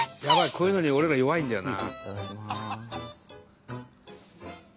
こういうのに俺ら弱いんだよな。